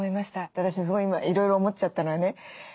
私すごいいろいろ思っちゃったのはね